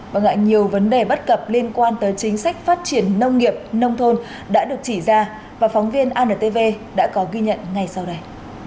và ngại nhiều vấn đề bất cập liên quan tới chính sách phát triển nông nghiệp nông thôn đã được chỉ ra và phóng viên antv đã có ghi nhận ngay sau đây